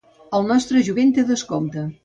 El nostre jove té descompte.